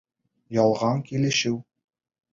Ялған килешеү